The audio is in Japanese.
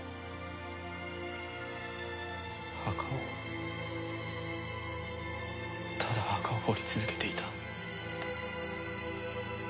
墓をただ墓を掘り続けていた。